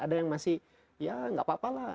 ada yang masih ya nggak apa apa lah